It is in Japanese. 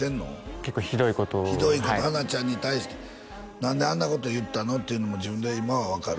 結構ひどいことをひどいことハナちゃんに対して何であんなこと言ったのっていうのも自分で今は分かる？